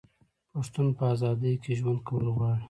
پښتون په ازادۍ کې ژوند کول غواړي.